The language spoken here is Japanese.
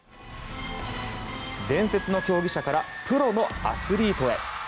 伝説の競技者からプロのアスリートへ。